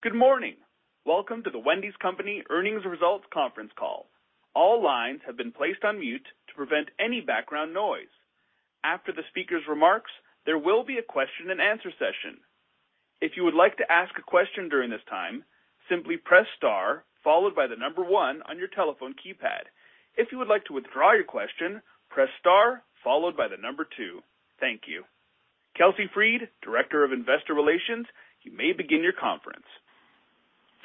Good morning. Welcome to The Wendy's Company Earnings Results Conference Call. All lines have been placed on mute to prevent any background noise. After the speaker's remarks, there will be a question-and-answer session. If you would like to ask a question during this time, simply press star followed by the number one on your telephone keypad. If you would like to withdraw your question, press star followed by the number two. Thank you. Kelsey Freed, Director of Investor Relations, you may begin your conference.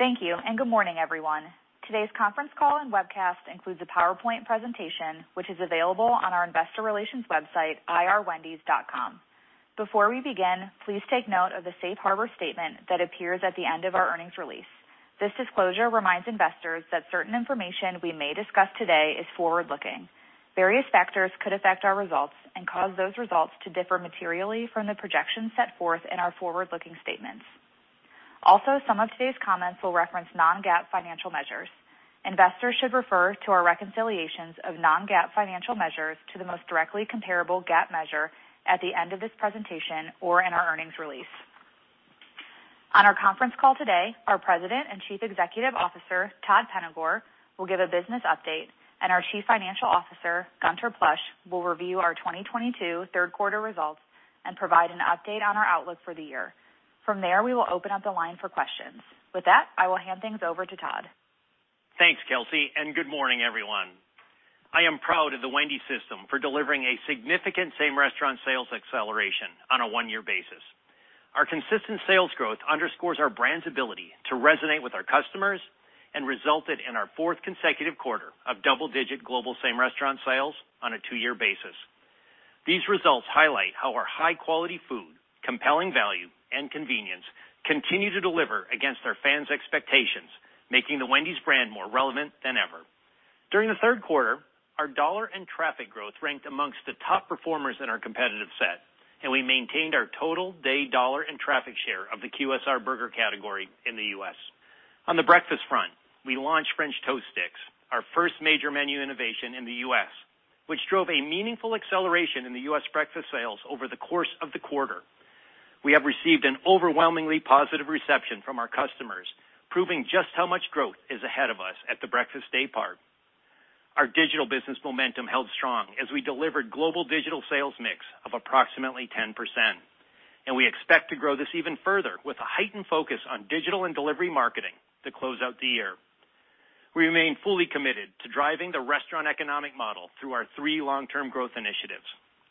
Thank you, and good morning, everyone. Today's conference call and webcast includes a PowerPoint presentation, which is available on our investor relations website, irwendys.com. Before we begin, please take note of the safe harbor statement that appears at the end of our earnings release. This disclosure reminds investors that certain information we may discuss today is forward-looking. Various factors could affect our results and cause those results to differ materially from the projections set forth in our forward-looking statements. Also, some of today's comments will reference non-GAAP financial measures. Investors should refer to our reconciliations of non-GAAP financial measures to the most directly comparable GAAP measure at the end of this presentation or in our earnings release. On our conference call today, our President and Chief Executive Officer, Todd Penegor, will give a business update, and our Chief Financial Officer, Gunther Plosch, will review our 2022 third quarter results and provide an update on our outlook for the year. From there, we will open up the line for questions. With that, I will hand things over to Todd. Thanks, Kelsey, and good morning, everyone. I am proud of the Wendy's system for delivering a significant same-restaurant sales acceleration on a one-year basis. Our consistent sales growth underscores our brand's ability to resonate with our customers and resulted in our fourth consecutive quarter of double-digit global same-restaurant sales on a two-year basis. These results highlight how our high-quality food, compelling value, and convenience continue to deliver against our fans' expectations, making the Wendy's brand more relevant than ever. During the third quarter, our dollar and traffic growth ranked among the top performers in our competitive set, and we maintained our total day dollar and traffic share of the QSR burger category in the U.S. On the breakfast front, we launched French Toast Sticks, our first major menu innovation in the U.S., which drove a meaningful acceleration in the U.S. breakfast sales over the course of the quarter. We have received an overwhelmingly positive reception from our customers, proving just how much growth is ahead of us at the breakfast day part. Our digital business momentum held strong as we delivered global digital sales mix of approximately 10%, and we expect to grow this even further with a heightened focus on digital and delivery marketing to close out the year. We remain fully committed to driving the restaurant economic model through our three long-term growth initiatives,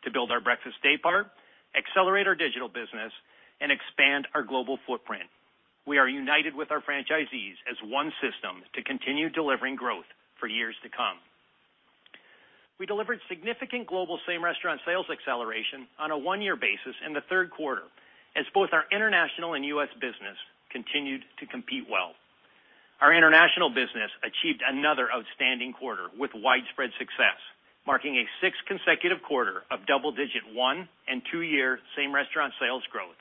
to build our breakfast day part, accelerate our digital business, and expand our global footprint. We are united with our franchisees as one system to continue delivering growth for years to come. We delivered significant global same-restaurant sales acceleration on a one-year basis in the third quarter as both our international and U.S. business continued to compete well. Our international business achieved another outstanding quarter with widespread success, marking a sixth consecutive quarter of double-digit 1- and 2-year same-restaurant sales growth,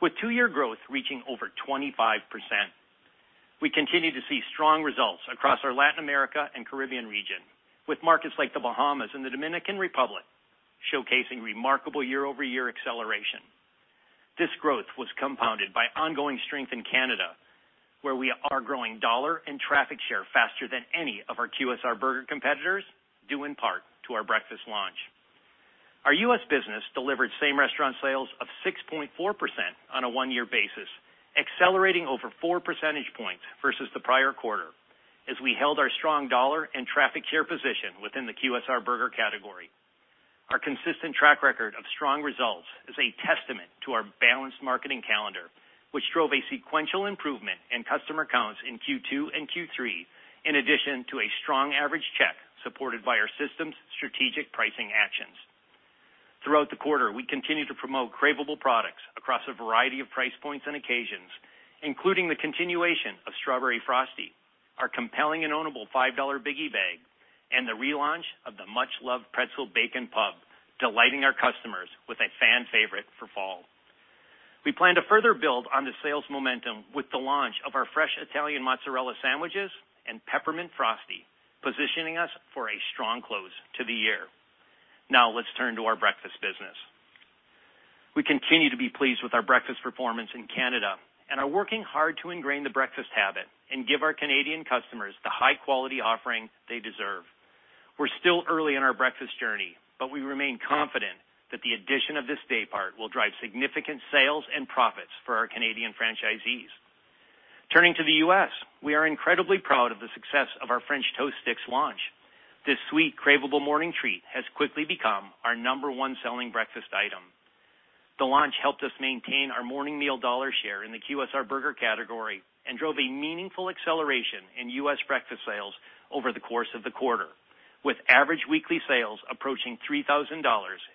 with 2-year growth reaching over 25%. We continue to see strong results across our Latin America and Caribbean region, with markets like the Bahamas and the Dominican Republic showcasing remarkable year-over-year acceleration. This growth was compounded by ongoing strength in Canada, where we are growing dollar and traffic share faster than any of our QSR burger competitors, due in part to our breakfast launch. Our U.S. business delivered same-restaurant sales of 6.4% on a 1-year basis, accelerating over 4 percentage points versus the prior quarter as we held our strong dollar and traffic share position within the QSR burger category. Our consistent track record of strong results is a testament to our balanced marketing calendar, which drove a sequential improvement in customer counts in Q2 and Q3, in addition to a strong average check supported by our system's strategic pricing actions. Throughout the quarter, we continued to promote craveable products across a variety of price points and occasions, including the continuation of Strawberry Frosty, our compelling and ownable Five-Dollar Biggie Bag, and the relaunch of the much-loved Pretzel Bacon Pub, delighting our customers with a fan favorite for fall. We plan to further build on the sales momentum with the launch of our fresh Italian Mozzarella sandwiches and Peppermint Frosty, positioning us for a strong close to the year. Now let's turn to our breakfast business. We continue to be pleased with our breakfast performance in Canada and are working hard to ingrain the breakfast habit and give our Canadian customers the high-quality offering they deserve. We're still early in our breakfast journey, but we remain confident that the addition of this day part will drive significant sales and profits for our Canadian franchisees. Turning to the U.S., we are incredibly proud of the success of our French Toast Sticks launch. This sweet, craveable morning treat has quickly become our number one selling breakfast item. The launch helped us maintain our morning meal dollar share in the QSR burger category and drove a meaningful acceleration in U.S. breakfast sales over the course of the quarter, with average weekly sales approaching $3,000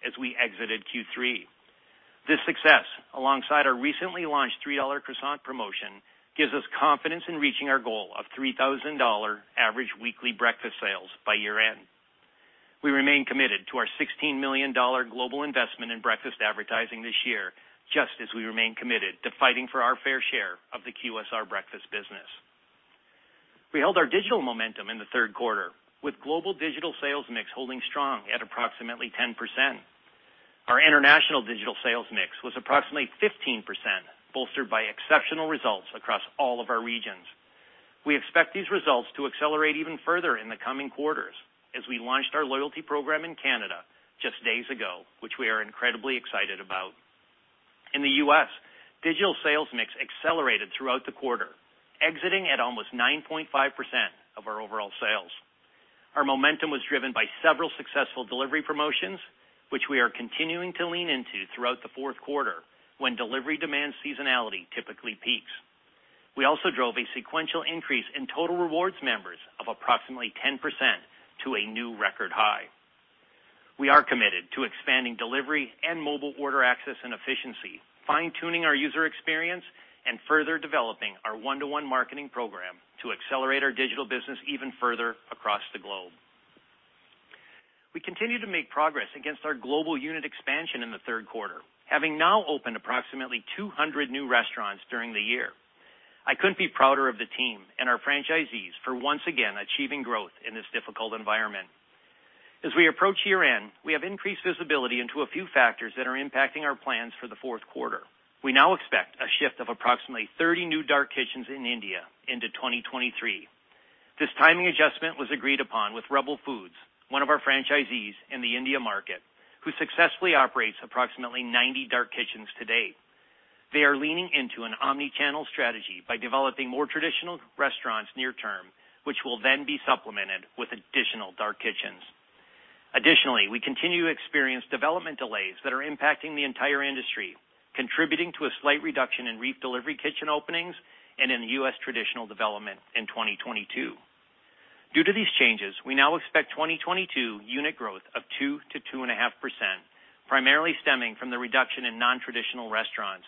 as we exited Q3. This success, alongside our recently launched Three-Dollar Croissant promotion, gives us confidence in reaching our goal of $3,000 average weekly breakfast sales by year-end. We remain committed to our $16 million global investment in breakfast advertising this year, just as we remain committed to fighting for our fair share of the QSR breakfast business. We held our digital momentum in the third quarter with global digital sales mix holding strong at approximately 10%. Our international digital sales mix was approximately 15%, bolstered by exceptional results across all of our regions. We expect these results to accelerate even further in the coming quarters as we launched our loyalty program in Canada just days ago, which we are incredibly excited about. In the U.S., digital sales mix accelerated throughout the quarter, exiting at almost 9.5% of our overall sales. Our momentum was driven by several successful delivery promotions, which we are continuing to lean into throughout the fourth quarter when delivery demand seasonality typically peaks. We also drove a sequential increase in total rewards members of approximately 10% to a new record high. We are committed to expanding delivery and mobile order access and efficiency, fine-tuning our user experience, and further developing our one-to-one marketing program to accelerate our digital business even further across the globe. We continue to make progress against our global unit expansion in the third quarter, having now opened approximately 200 new restaurants during the year. I couldn't be prouder of the team and our franchisees for once again achieving growth in this difficult environment. As we approach year-end, we have increased visibility into a few factors that are impacting our plans for the fourth quarter. We now expect a shift of approximately 30 new dark kitchens in India into 2023. This timing adjustment was agreed upon with Rebel Foods, one of our franchisees in the India market, who successfully operates approximately 90 dark kitchens to date. They are leaning into an omni-channel strategy by developing more traditional restaurants near term, which will then be supplemented with additional dark kitchens. Additionally, we continue to experience development delays that are impacting the entire industry, contributing to a slight reduction in REEF delivery kitchen openings and in U.S. traditional development in 2022. Due to these changes, we now expect 2022 unit growth of 2%-2.5%, primarily stemming from the reduction in nontraditional restaurants.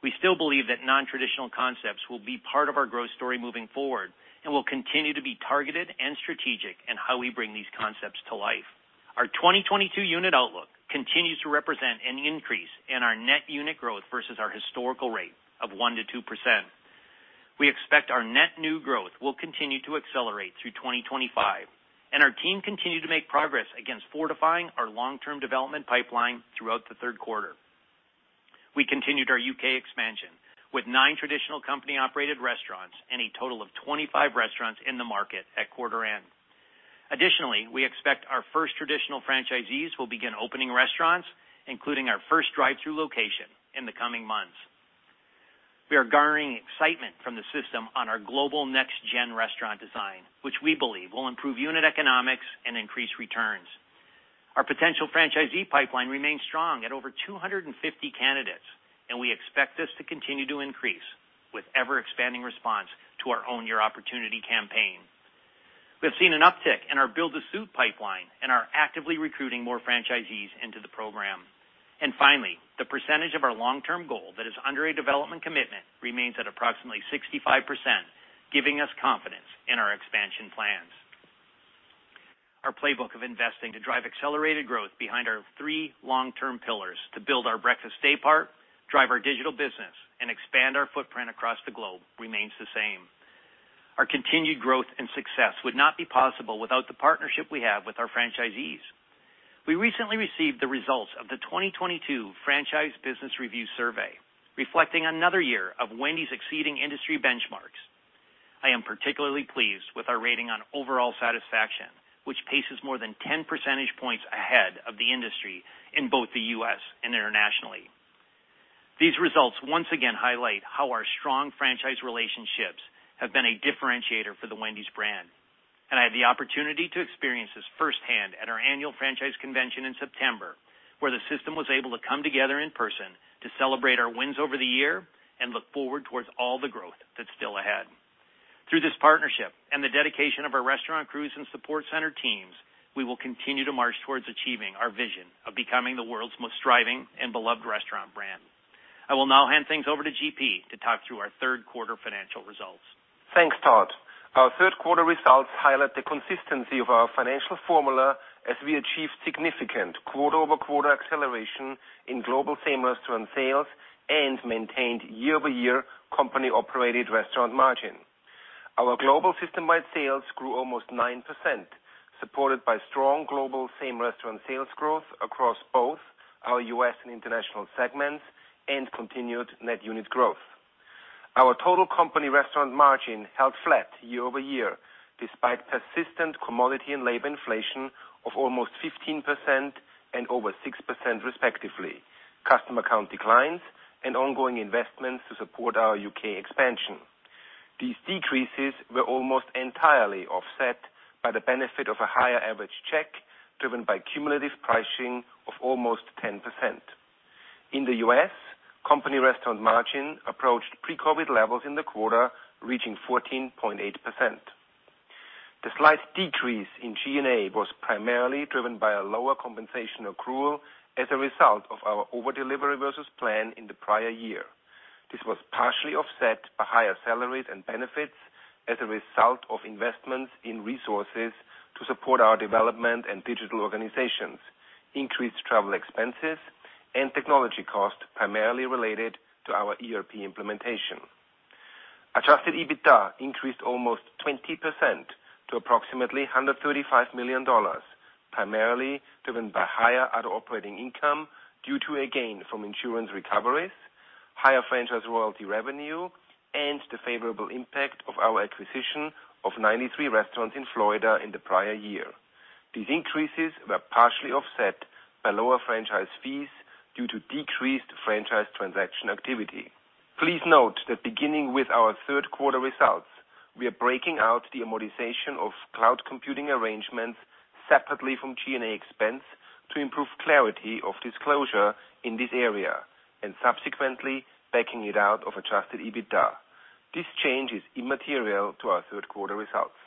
We still believe that nontraditional concepts will be part of our growth story moving forward and will continue to be targeted and strategic in how we bring these concepts to life. Our 2022 unit outlook continues to represent an increase in our net unit growth versus our historical rate of 1%-2%. We expect our net new growth will continue to accelerate through 2025, and our team continued to make progress against fortifying our long-term development pipeline throughout the third quarter. We continued our U.K. expansion with nine traditional company-operated restaurants and a total of 25 restaurants in the market at quarter end. Additionally, we expect our first traditional franchisees will begin opening restaurants, including our first drive-thru location in the coming months. We are garnering excitement from the system on our Global Next Gen restaurant design, which we believe will improve unit economics and increase returns. Our potential franchisee pipeline remains strong at over 250 candidates, and we expect this to continue to increase with ever-expanding response to our Own Your Opportunity campaign. We have seen an uptick in our build to suit pipeline and are actively recruiting more franchisees into the program. Finally, the percentage of our long-term goal that is under a development commitment remains at approximately 65%, giving us confidence in our expansion plans. Our playbook of investing to drive accelerated growth behind our three long-term pillars to build our breakfast day part, drive our digital business, and expand our footprint across the globe remains the same. Our continued growth and success would not be possible without the partnership we have with our franchisees. We recently received the results of the 2022 Franchise Business Review Survey, reflecting another year of Wendy's exceeding industry benchmarks. I am particularly pleased with our rating on overall satisfaction, which paces more than 10 percentage points ahead of the industry in both the U.S. and internationally. These results once again highlight how our strong franchise relationships have been a differentiator for the Wendy's brand, and I had the opportunity to experience this firsthand at our annual franchise convention in September, where the system was able to come together in person to celebrate our wins over the year and look forward towards all the growth that's still ahead. Through this partnership and the dedication of our restaurant crews and support center teams, we will continue to march towards achieving our vision of becoming the world's most thriving and beloved restaurant brand. I will now hand things over to GP to talk through our third quarter financial results. Thanks, Todd. Our third quarter results highlight the consistency of our financial formula as we achieved significant quarter-over-quarter acceleration in global same-restaurant sales and maintained year-over-year company-operated restaurant margin. Our global system-wide sales grew almost 9%, supported by strong global same-restaurant sales growth across both our U.S. and international segments and continued net unit growth. Our total company restaurant margin held flat year over year, despite persistent commodity and labor inflation of almost 15% and over 6% respectively, customer count declines, and ongoing investments to support our U.K. expansion. These decreases were almost entirely offset by the benefit of a higher average check driven by cumulative pricing of almost 10%. In the U.S., company restaurant margin approached pre-COVID levels in the quarter, reaching 14.8%. The slight decrease in G&A was primarily driven by a lower compensation accrual as a result of our over delivery versus plan in the prior year. This was partially offset by higher salaries and benefits as a result of investments in resources to support our development and digital organizations. Increased travel expenses and technology costs primarily related to our ERP implementation. Adjusted EBITDA increased almost 20% to approximately $135 million, primarily driven by higher other operating income due to a gain from insurance recoveries, higher franchise royalty revenue, and the favorable impact of our acquisition of 93 restaurants in Florida in the prior year. These increases were partially offset by lower franchise fees due to decreased franchise transaction activity. Please note that beginning with our third quarter results, we are breaking out the amortization of cloud computing arrangements separately from G&A expense to improve clarity of disclosure in this area and subsequently backing it out of adjusted EBITDA. This change is immaterial to our third quarter results.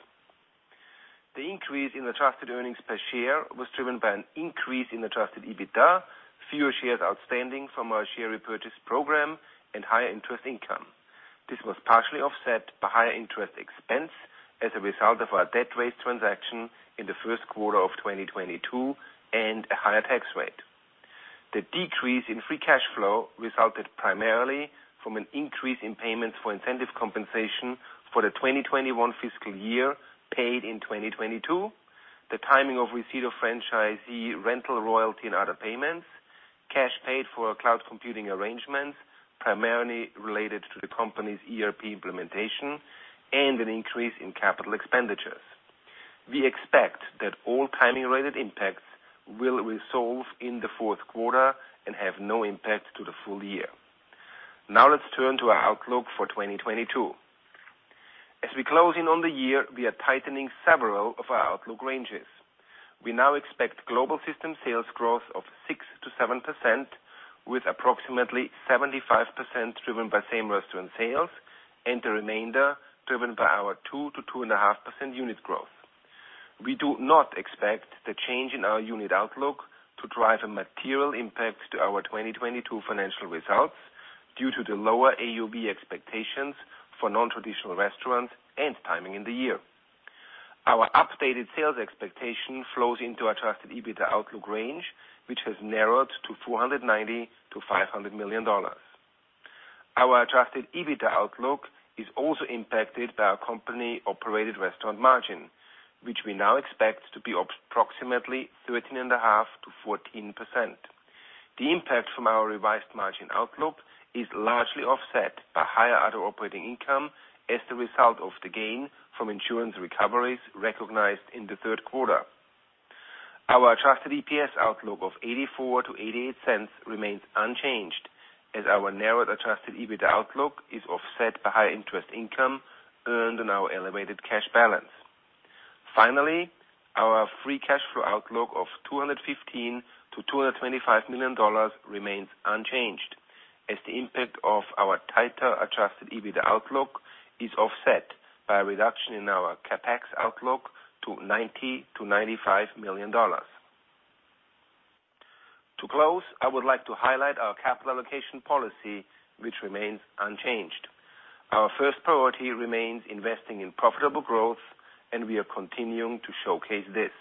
The increase in adjusted earnings per share was driven by an increase in adjusted EBITDA, fewer shares outstanding from our share repurchase program, and higher interest income. This was partially offset by higher interest expense as a result of our debt raise transaction in the first quarter of 2022 and a higher tax rate. The decrease in free cash flow resulted primarily from an increase in payments for incentive compensation for the 2021 fiscal year paid in 2022, the timing of receipt of franchisee rental royalty and other payments, cash paid for cloud computing arrangements, primarily related to the company's ERP implementation, and an increase in capital expenditures. We expect that all timing-related impacts will resolve in the fourth quarter and have no impact to the full year. Now let's turn to our outlook for 2022. As we close in on the year, we are tightening several of our outlook ranges. We now expect global system sales growth of 6%-7%, with approximately 75% driven by same restaurant sales and the remainder driven by our 2%-2.5% unit growth. We do not expect the change in our unit outlook to drive a material impact to our 2022 financial results due to the lower AUV expectations for nontraditional restaurants and timing in the year. Our updated sales expectation flows into adjusted EBITDA outlook range, which has narrowed to $490-$500 million. Our adjusted EBITDA outlook is also impacted by our company-operated restaurant margin, which we now expect to be approximately 13.5%-14%. The impact from our revised margin outlook is largely offset by higher other operating income as the result of the gain from insurance recoveries recognized in the third quarter. Our adjusted EPS outlook of $0.84-$0.88 remains unchanged as our narrowed adjusted EBITDA outlook is offset by higher interest income earned on our elevated cash balance. Finally, our free cash flow outlook of $215 million-$225 million remains unchanged as the impact of our tighter adjusted EBITDA outlook is offset by a reduction in our CapEx outlook to $90 million-$95 million. To close, I would like to highlight our capital allocation policy, which remains unchanged. Our first priority remains investing in profitable growth, and we are continuing to showcase this.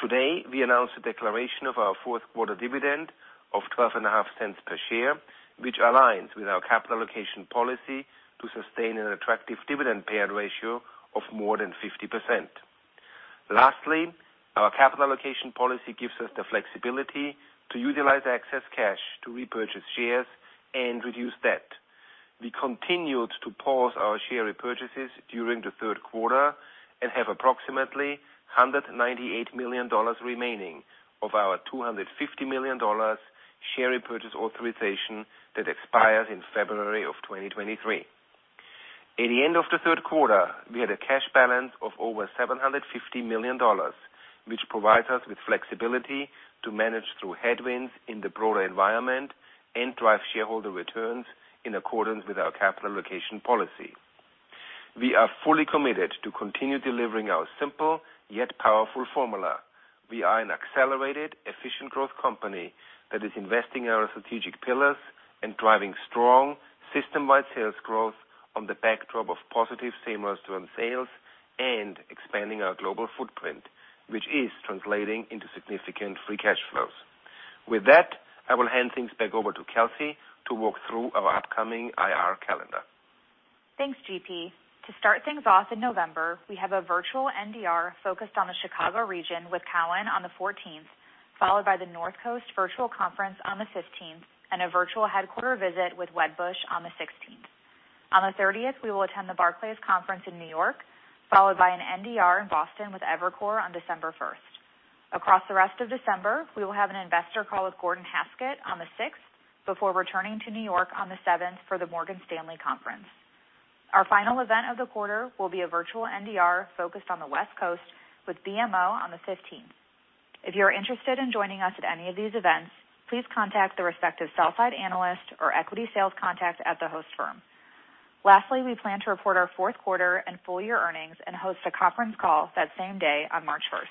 Today, we announced the declaration of our fourth quarter dividend of $0.125 per share, which aligns with our capital allocation policy to sustain an attractive dividend payout ratio of more than 50%. Lastly, our capital allocation policy gives us the flexibility to utilize excess cash to repurchase shares and reduce debt. We continued to pause our share repurchases during the third quarter and have approximately $198 million remaining of our $250 million share repurchase authorization that expires in February of 2023. At the end of the third quarter, we had a cash balance of over $750 million, which provides us with flexibility to manage through headwinds in the broader environment and drive shareholder returns in accordance with our capital allocation policy. We are fully committed to continue delivering our simple yet powerful formula. We are an accelerated, efficient growth company that is investing in our strategic pillars and driving strong system-wide sales growth on the backdrop of positive same-restaurant sales and expanding our global footprint, which is translating into significant free cash flows. With that, I will hand things back over to Kelsey to walk through our upcoming IR calendar. Thanks, GP. To start things off in November, we have a virtual NDR focused on the Chicago region with TD Cowen on the 14th, followed by the Northcoast Virtual Conference on the 15th, and a virtual headquarters visit with Wedbush on the 16th. On the 30th, we will attend the Barclays Conference in New York, followed by an NDR in Boston with Evercore on December 1. Across the rest of December, we will have an investor call with Gordon Haskett on the 6th before returning to New York on the 7th for the Morgan Stanley Conference. Our final event of the quarter will be a virtual NDR focused on the West Coast with BMO on the 15th. If you are interested in joining us at any of these events, please contact the respective sell-side analyst or equity sales contact at the host firm. Lastly, we plan to report our fourth quarter and full year earnings and host a conference call that same day on March 1.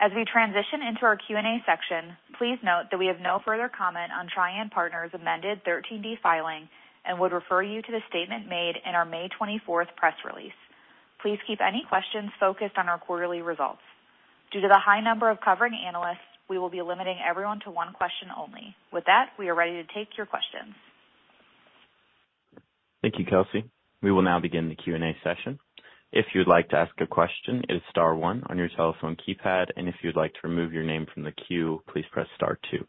As we transition into our Q&A section, please note that we have no further comment on Trian Partners' amended 13D filing and would refer you to the statement made in our May 24th press release. Please keep any questions focused on our quarterly results. Due to the high number of covering analysts, we will be limiting everyone to one question only. With that, we are ready to take your questions. Thank you, Kelsey. We will now begin the Q&A session. If you'd like to ask a question, it is star one on your telephone keypad, and if you'd like to remove your name from the queue, please press star two.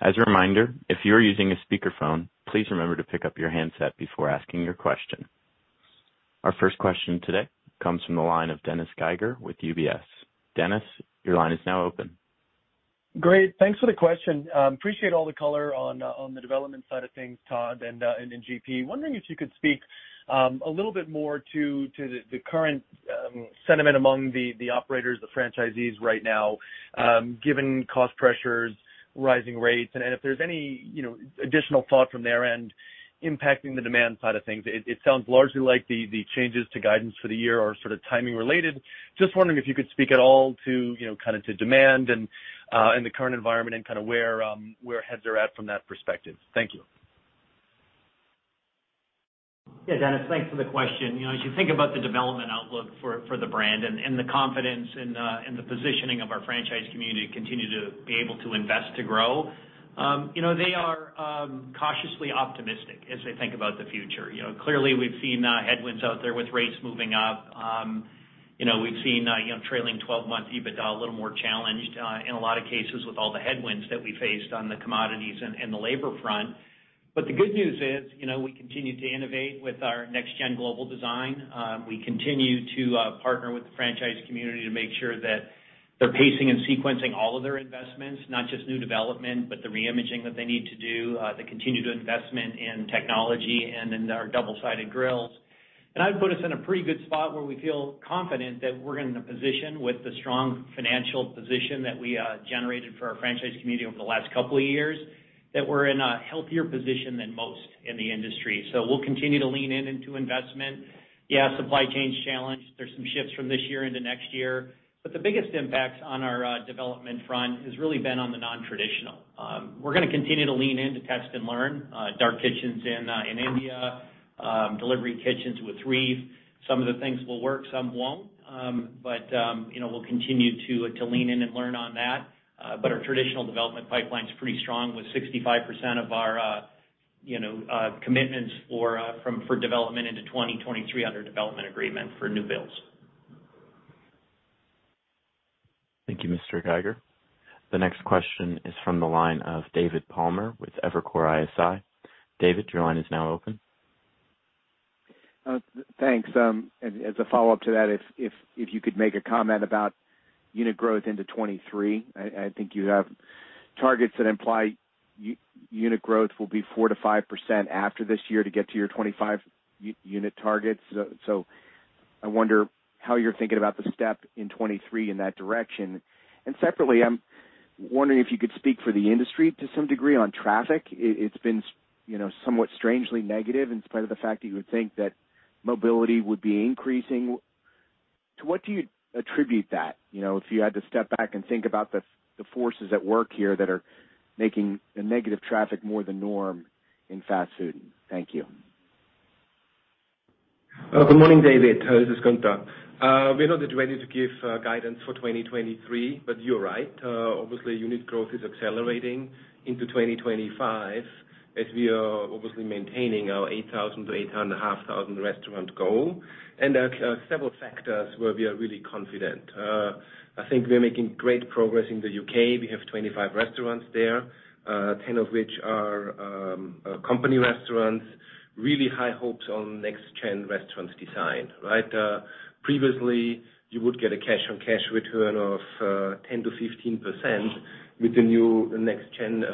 As a reminder, if you are using a speakerphone, please remember to pick up your handset before asking your question. Our first question today comes from the line of Dennis Geiger with UBS. Dennis, your line is now open. Great. Thanks for the question. Appreciate all the color on the development side of things, Todd and GP. Wondering if you could speak a little bit more to the current sentiment among the operators, the franchisees right now, given cost pressures, rising rates, and if there's any, you know, additional thought from their end impacting the demand side of things. It sounds largely like the changes to guidance for the year are sort of timing related. Just wondering if you could speak at all to, you know, kind of to demand and in the current environment and kind of where heads are at from that perspective. Thank you. Yeah, Dennis, thanks for the question. You know, as you think about the development outlook for the brand and the confidence and the positioning of our franchise community to continue to be able to invest to grow, you know, they are cautiously optimistic as they think about the future. You know, clearly, we've seen headwinds out there with rates moving up. You know, we've seen trailing 12-month EBITDA a little more challenged in a lot of cases with all the headwinds that we faced on the commodities and the labor front. The good news is, you know, we continue to innovate with our Global Next Gen design. We continue to partner with the franchise community to make sure that they're pacing and sequencing all of their investments, not just new development, but the reimaging that they need to do, the continued investment in technology and in our double-sided grills. I'd put us in a pretty good spot where we feel confident that we're in a position with the strong financial position that we generated for our franchise community over the last couple of years, that we're in a healthier position than most in the industry. We'll continue to lean into investment. Yeah, supply chain's challenged. There's some shifts from this year into next year, but the biggest impacts on our development front has really been on the non-traditional. We're gonna continue to lean in to test and learn dark kitchens in India, delivery kitchens with REEF. Some of the things will work, some won't. You know, we'll continue to lean in and learn on that. Our traditional development pipeline's pretty strong with 65% of our commitments for development into 2023 under development agreement for new builds. Thank you, Mr. Geiger. The next question is from the line of David Palmer with Evercore ISI. David, your line is now open. Thanks. As a follow-up to that, if you could make a comment about unit growth into 2023. I think you have targets that imply unit growth will be 4%-5% after this year to get to your 25 unit targets. I wonder how you're thinking about the step in 2023 in that direction. Separately, I'm wondering if you could speak for the industry to some degree on traffic. It's been, you know, somewhat strangely negative in spite of the fact that you would think that mobility would be increasing. To what do you attribute that? You know, if you had to step back and think about the forces at work here that are making the negative traffic more the norm in fast food. Thank you. Good morning, David. This is Gunther. We're not yet ready to give guidance for 2023, but you're right. Obviously, unit growth is accelerating into 2025 as we are obviously maintaining our 8,000-8,500 restaurant goal. There are several factors where we are really confident. I think we're making great progress in the U.K. We have 25 restaurants there, ten of which are company restaurants, really high hopes on next gen restaurant design, right? Previously, you would get a cash on cash return of 10%-15%. With the new next gen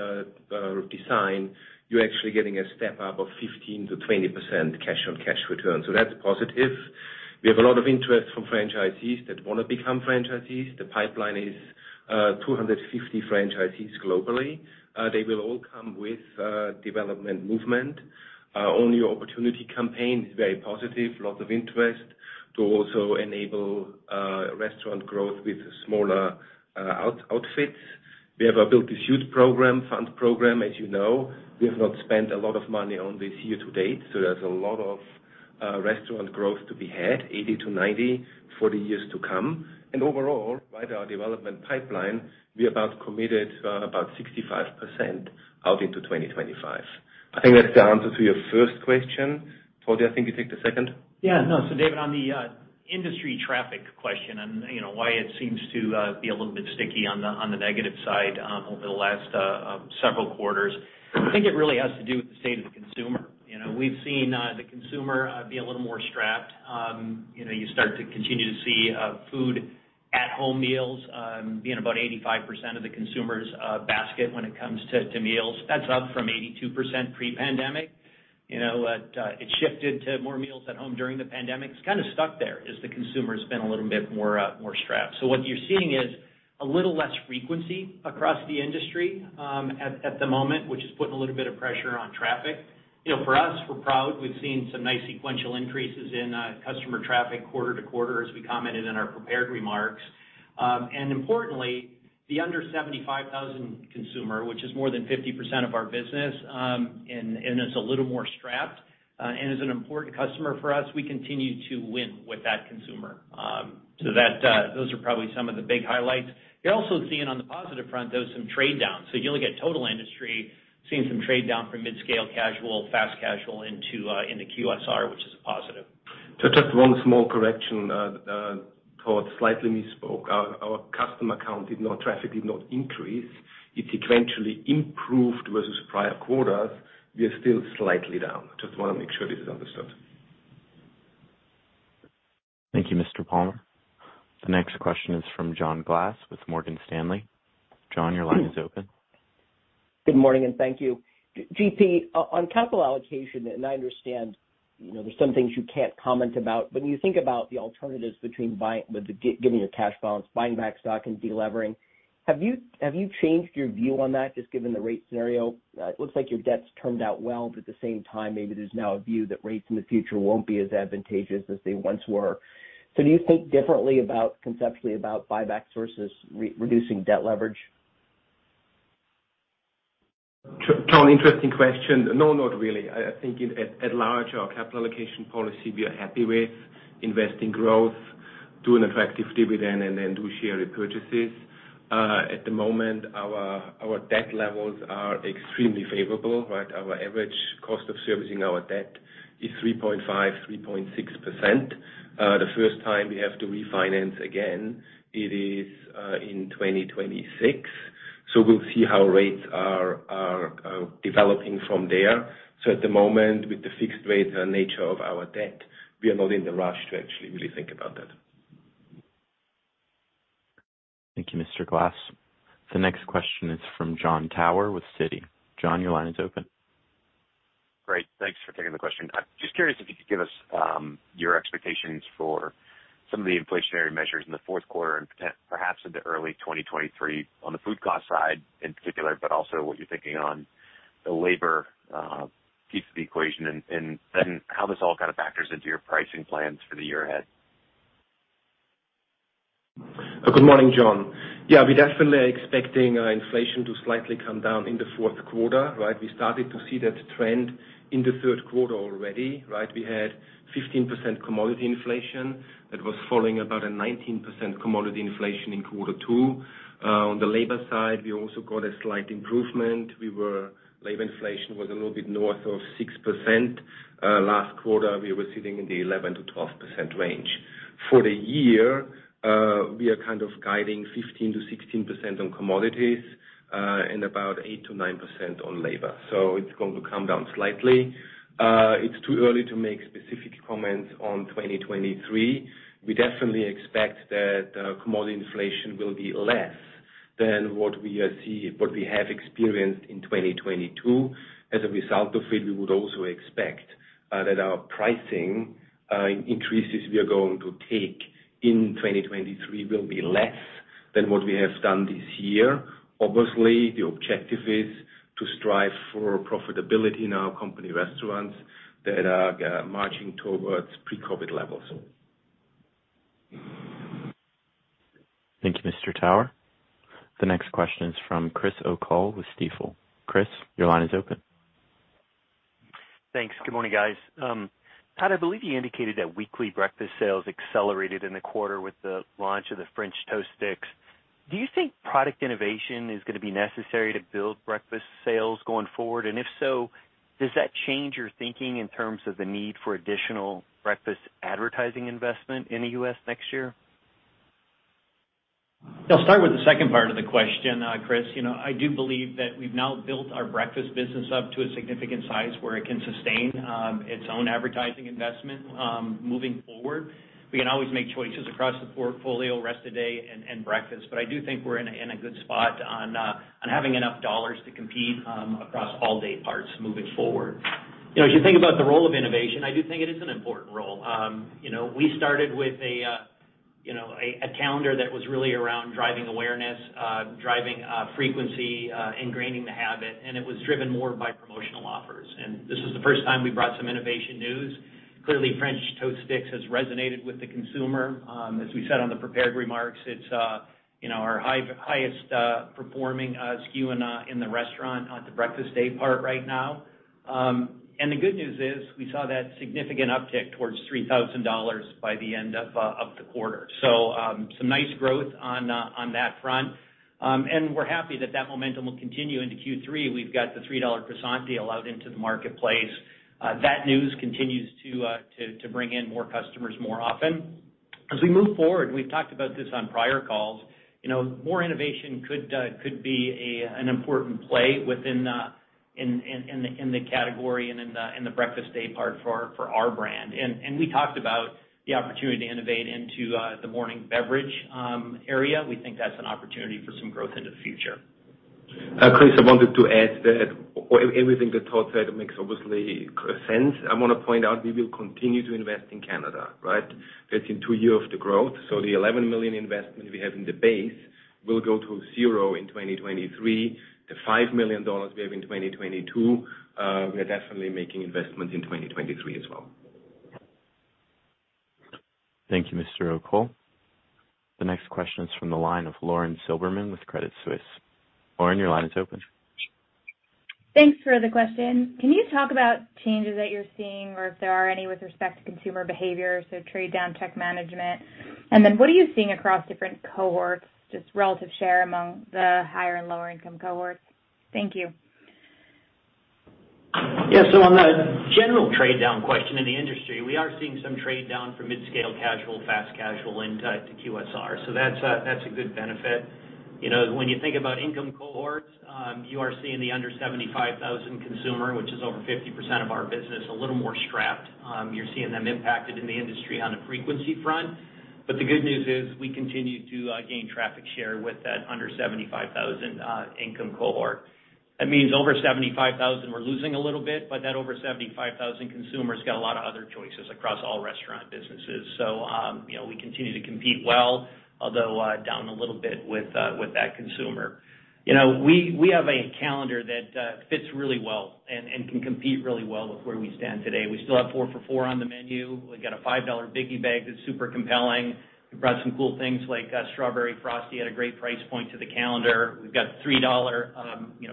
design, you're actually getting a step-up of 15%-20% cash on cash return. That's positive. We have a lot of interest from franchisees that wanna become franchisees. The pipeline is 250 franchisees globally. They will all come with development movement. Our Own Your Opportunity campaign is very positive, lots of interest to also enable restaurant growth with smaller outfits. We have a build to suit program, fund program, as you know. We have not spent a lot of money on this year to date, so there's a lot of restaurant growth to be had, 80-90 for the years to come. Overall, by our development pipeline, we about committed about 65% out into 2025. I think that's the answer to your first question. Todd, do you think you take the second? Yeah, no. David, on the industry traffic question and, you know, why it seems to be a little bit sticky on the negative side over the last several quarters, I think it really has to do with the state of the consumer. You know, we've seen the consumer be a little more strapped. You know, you start to continue to see food at home meals being about 85% of the consumer's basket when it comes to meals. That's up from 82% pre-pandemic. You know, it shifted to more meals at home during the pandemic. It's kind of stuck there as the consumer spent a little bit more strapped. What you're seeing is a little less frequency across the industry, at the moment, which is putting a little bit of pressure on traffic. You know, for us, we're proud. We've seen some nice sequential increases in customer traffic quarter to quarter as we commented in our prepared remarks. Importantly, the under 75,000 consumer, which is more than 50% of our business, and is a little more strapped, and is an important customer for us, we continue to win with that consumer. That those are probably some of the big highlights. You're also seeing on the positive front, though, some trade down. You look at total industry, seeing some trade down from midscale casual, fast casual into QSR, which is a positive. Just one small correction. Todd slightly misspoke. Our traffic did not increase. It eventually improved versus prior quarters. We are still slightly down. Just wanna make sure this is understood. Thank you, Mr. Palmer. The next question is from John Glass with Morgan Stanley. John, your line is open. Good morning, thank you. GP, on capital allocation, I understand, you know, there's some things you can't comment about, but when you think about the alternatives between buying back stock and delevering, given your cash balance, have you changed your view on that just given the rate scenario? It looks like your debt's turned out well, but at the same time, maybe there's now a view that rates in the future won't be as advantageous as they once were. Do you think differently about, conceptually about buybacks versus reducing debt leverage? John, interesting question. No, not really. I think at large, our capital allocation policy we are happy with. Invest in growth, do an attractive dividend, and then do share repurchases. At the moment our debt levels are extremely favorable, right? Our average cost of servicing our debt is 3.5, 3.6%. The first time we have to refinance again, it is in 2026. We'll see how rates are developing from there. At the moment, with the fixed rate and nature of our debt, we are not in a rush to actually really think about that. Thank you, Mr. Glass. The next question is from Jon Tower with Citi. John, your line is open. Great. Thanks for taking the question. I'm just curious if you could give us your expectations for some of the inflationary measures in the fourth quarter and perhaps into early 2023 on the food cost side in particular, but also what you're thinking on the labor piece of the equation and then how this all kind of factors into your pricing plans for the year ahead. Good morning, John. Yeah, we definitely are expecting inflation to slightly come down in the fourth quarter, right? We started to see that trend in the third quarter already, right? We had 15% commodity inflation that was following about a 19% commodity inflation in quarter two. On the labor side, we also got a slight improvement. Labor inflation was a little bit north of 6%. Last quarter, we were sitting in the 11%-12% range. For the year, we are kind of guiding 15%-16% on commodities and about 8%-9% on labor. It's going to come down slightly. It's too early to make specific comments on 2023. We definitely expect that commodity inflation will be less than what we have experienced in 2022. As a result of it, we would also expect that our pricing increases we are going to take in 2023 will be less than what we have done this year. Obviously, the objective is to strive for profitability in our company restaurants that are marching towards pre-COVID levels. Thank you, Mr. Tower. The next question is from Christopher O'Cull with Stifel. Chris, your line is open. Thanks. Good morning, guys. Todd, I believe you indicated that weekly breakfast sales accelerated in the quarter with the launch of the French Toast Sticks. Do you think product innovation is gonna be necessary to build breakfast sales going forward? If so, does that change your thinking in terms of the need for additional breakfast advertising investment in the U.S. next year? I'll start with the second part of the question, Chris. You know, I do believe that we've now built our breakfast business up to a significant size where it can sustain its own advertising investment moving forward. We can always make choices across the portfolio, rest of day and breakfast, but I do think we're in a good spot on having enough dollars to compete across all day parts moving forward. You know, as you think about the role of innovation, I do think it is an important role. You know, we started with a calendar that was really around driving awareness, driving frequency, ingraining the habit, and it was driven more by promotional offers. This is the first time we brought some innovation news. Clearly, French Toast Sticks has resonated with the consumer. As we said on the prepared remarks, it's you know, our highest performing SKU in the restaurant on the breakfast day part right now. The good news is we saw that significant uptick towards $3,000 by the end of the quarter. Some nice growth on that front. We're happy that that momentum will continue into Q3. We've got the $3 Croissant deal out into the marketplace. That news continues to bring in more customers more often. As we move forward, we've talked about this on prior calls, you know, more innovation could be an important play within the category and the breakfast daypart for our brand. We talked about the opportunity to innovate into the morning beverage area. We think that's an opportunity for some growth into the future. Chris, I wanted to add that everything that Todd said makes obvious sense. I wanna point out we will continue to invest in Canada, right? 15-2 year of the growth. The $11 million investment we have in the base will go to zero in 2023. The $5 million we have in 2022, we are definitely making investments in 2023 as well. Thank you, Mr. O'Cull. The next question is from the line of Lauren Silberman with Credit Suisse. Lauren, your line is open. Thanks for the question. Can you talk about changes that you're seeing or if there are any with respect to consumer behavior, so trade-down tactics management? And then what are you seeing across different cohorts, just relative share among the higher and lower income cohorts? Thank you. Yeah. On the general trade down question in the industry, we are seeing some trade down for mid-scale casual, fast casual into QSR. That's a good benefit. You know, when you think about income cohorts, you are seeing the under 75,000 consumer, which is over 50% of our business, a little more strapped. You're seeing them impacted in the industry on a frequency front. The good news is we continue to gain traffic share with that under 75,000 income cohort. That means over 75,000, we're losing a little bit, but that over 75,000 consumer has got a lot of other choices across all restaurant businesses. You know, we continue to compete well, although down a little bit with that consumer. You know, we have a calendar that fits really well and can compete really well with where we stand today. We still have 4 for 4 on the menu. We've got a $5 Biggie Bag that's super compelling. We brought some cool things like Strawberry Frosty at a great price point to the calendar. We've got $3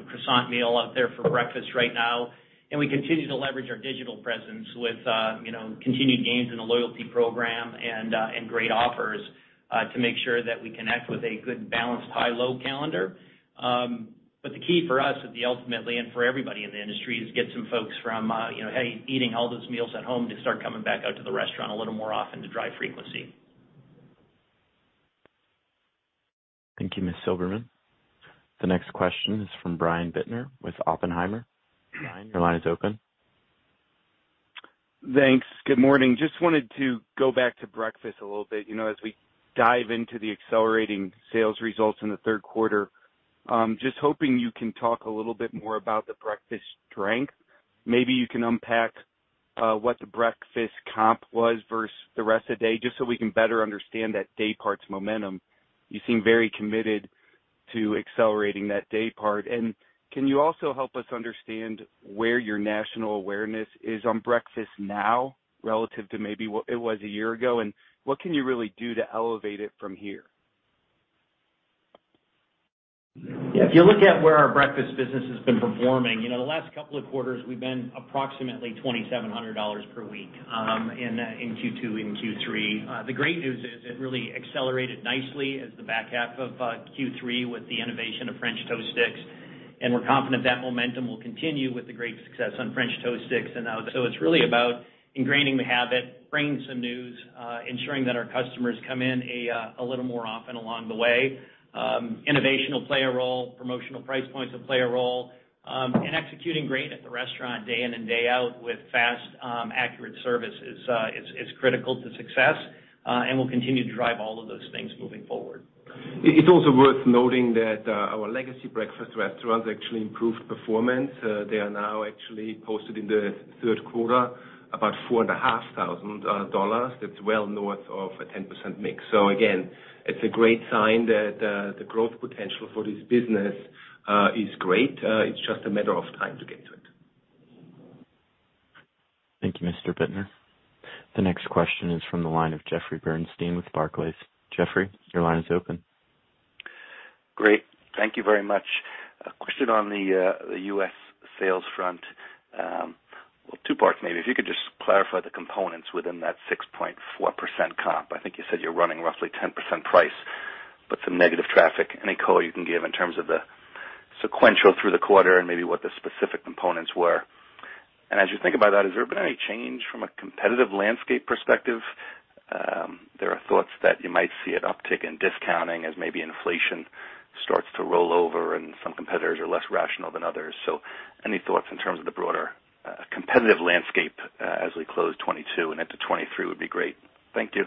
croissant meal out there for breakfast right now, and we continue to leverage our digital presence with continued gains in the loyalty program and great offers to make sure that we connect with a good balanced high-low calendar. The key for us would be ultimately, and for everybody in the industry, is get some folks from, you know, hey, eating all those meals at home to start coming back out to the restaurant a little more often to drive frequency. Thank you, Ms. Silberman. The next question is from Brian Bittner with Oppenheimer. Brian, your line is open. Thanks. Good morning. Just wanted to go back to breakfast a little bit. You know, as we dive into the accelerating sales results in the third quarter, just hoping you can talk a little bit more about the breakfast strength. Maybe you can unpack what the breakfast comp was versus the rest of the day, just so we can better understand that day part's momentum. You seem very committed to accelerating that day part. Can you also help us understand where your national awareness is on breakfast now relative to maybe what it was a year ago, and what can you really do to elevate it from here? Yeah. If you look at where our breakfast business has been performing, you know, the last couple of quarters, we've been approximately $2,700 per week in Q2 and Q3. The great news is it really accelerated nicely as the back half of Q3 with the innovation of French Toast Sticks, and we're confident that momentum will continue with the great success on French Toast Sticks. It's really about ingraining the habit, bringing some new, ensuring that our customers come in a little more often along the way. Innovation will play a role, promotional price points will play a role, and executing great at the restaurant day in and day out with fast, accurate service is critical to success, and we'll continue to drive all of those things moving forward. It's also worth noting that our legacy breakfast restaurants actually improved performance. They are now actually posted in the third quarter about $4,500. That's well north of a 10% mix. It's a great sign that the growth potential for this business is great. It's just a matter of time to get to it. Thank you, Mr. Bittner. The next question is from the line of Jeffrey Bernstein with Barclays. Jeffrey, your line is open. Great. Thank you very much. A question on the U.S. sales front. Two parts maybe. If you could just clarify the components within that 6.4% comp. I think you said you're running roughly 10% price, but some negative traffic. Any color you can give in terms of the sequential through the quarter and maybe what the specific components were. And as you think about that, has there been any change from a competitive landscape perspective? There are thoughts that you might see an uptick in discounting as maybe inflation starts to roll over and some competitors are less rational than others. Any thoughts in terms of the broader competitive landscape as we close 2022 and into 2023 would be great. Thank you.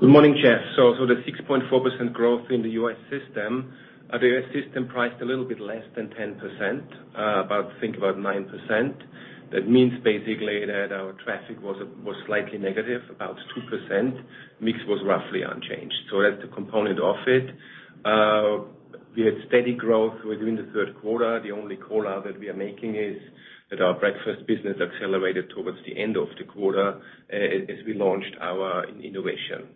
Good morning, Jeff. The 6.4% growth in the U.S. system, the U.S. system priced a little bit less than 10%, about, think about 9%. That means basically that our traffic was slightly negative, about 2%. Mix was roughly unchanged. That's the component of it. We had steady growth within the third quarter. The only call-out that we are making is that our breakfast business accelerated towards the end of the quarter as we launched our innovation.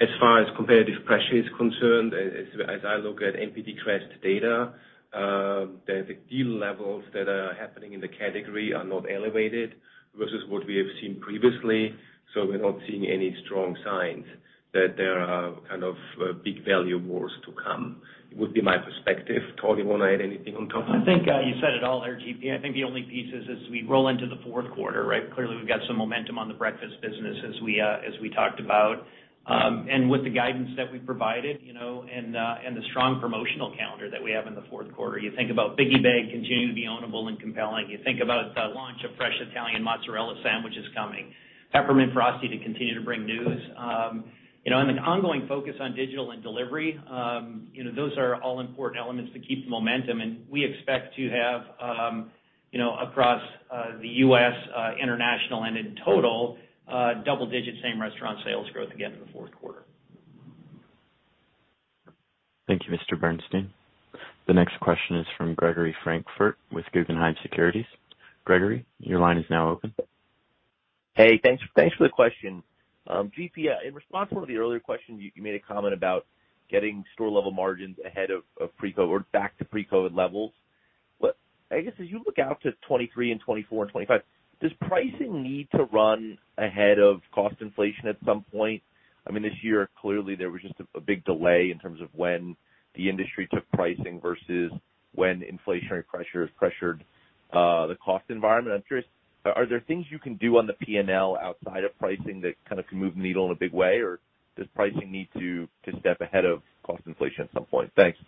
As far as competitive pressure is concerned, as I look at NPD CREST data, the deal levels that are happening in the category are not elevated versus what we have seen previously. We're not seeing any strong signs that there are kind of big value wars to come, would be my perspective. Todd, wanna add anything on top of that? I think you said it all there, GP. I think the only piece is as we roll into the fourth quarter, right? Clearly, we've got some momentum on the breakfast business as we talked about. With the guidance that we provided, you know, and the strong promotional calendar that we have in the fourth quarter. You think about Biggie Bag continuing to be own-able and compelling. You think about the launch of fresh Italian Mozzarella sandwiches coming. Peppermint Frosty to continue to bring news. You know, and an ongoing focus on digital and delivery. You know, those are all important elements to keep the momentum, and we expect to have, you know, across the U.S., international and in total, double-digit same-restaurant sales growth again in the fourth quarter. Thank you, Mr. Bernstein. The next question is from Gregory Francfort with Guggenheim Securities. Gregory, your line is now open. Hey, thanks for the question. GP, in response to one of the earlier questions, you made a comment about getting store level margins ahead of pre-COVID or back to pre-COVID levels. What, I guess as you look out to 2023 and 2024 and 2025, does pricing need to run ahead of cost inflation at some point? I mean, this year, clearly, there was just a big delay in terms of when the industry took pricing versus when inflationary pressure has pressured the cost environment. I'm curious, are there things you can do on the P&L outside of pricing that kind of can move the needle in a big way, or does pricing need to step ahead of cost inflation at some point? Thanks.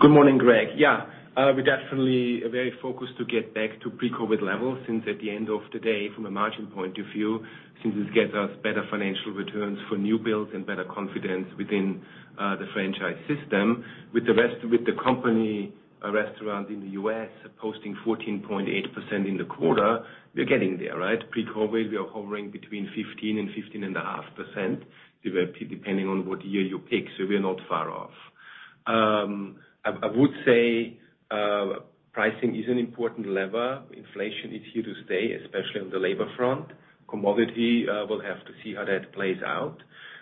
Good morning, Greg. Yeah, we definitely are very focused to get back to pre-COVID levels since at the end of the day from a margin point of view, since this gets us better financial returns for new builds and better confidence within the franchise system. With the company restaurant in the U.S. posting 14.8% in the quarter, we're getting there, right? Pre-COVID, we are hovering between 15% and 15.5%, depending on what year you pick, so we're not far off. I would say pricing is an important lever. Inflation is here to stay, especially on the labor front. Commodity, we'll have to see how that plays out.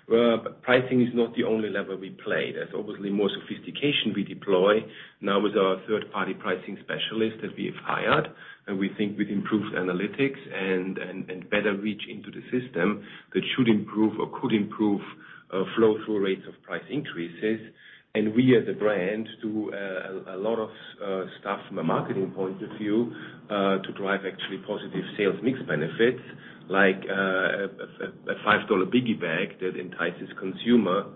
But pricing is not the only lever we play. There's obviously more sophistication we deploy now with our third party pricing specialist that we have hired, and we think with improved analytics and better reach into the system, that should improve or could improve flow-through rates of price increases. We as a brand do a lot of stuff from a marketing point of view to drive actually positive sales mix benefits, like a $5 Biggie Bag that entices consumers